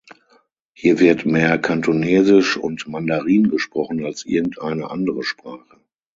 Hier wird mehr Kantonesisch und Mandarin gesprochen als irgendeine andere Sprache.